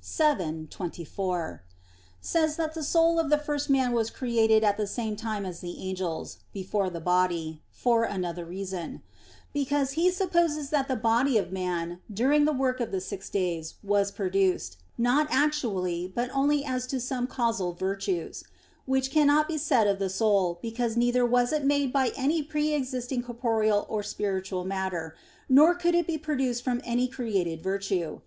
vii, 24), says that the soul of the first man was created at the same time as the angels, before the body, for another reason; because he supposes that the body of man, during the work of the six days, was produced, not actually, but only as to some "causal virtues"; which cannot be said of the soul, because neither was it made of any pre existing corporeal or spiritual matter, nor could it be produced from any created virtue.